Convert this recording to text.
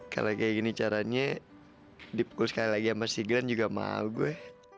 kalau kayak gini caranya dipukul sekali lagi sama si grand juga mahal gue